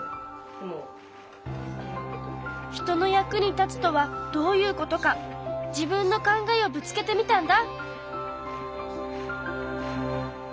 人の役に立つとはどういうことか自分の考えをぶつけてみたんだ。